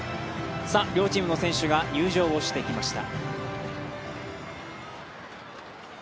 両チームの選手が入場してきました。